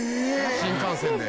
新幹線で。